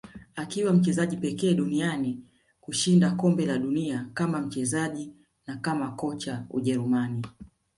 Akiwa mchezaji pekee duniani kushinda kombe la dunia kama mchezaji na kama kocha Ujerumani